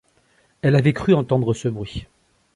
Elle avait cru entendre ce bruit.